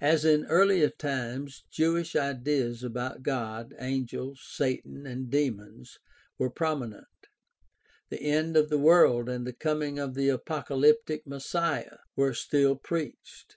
As in earlier times, Jewish ideas about God, angels, Satan, and demons were prominent. The end of the world and the coming of the apocalyptic Messiah were still preached (e.